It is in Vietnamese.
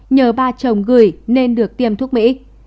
nhờ ba chồng gửi nên được tiêm thuốc mỹ